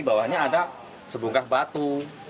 di bawahnya ada sebongkah batu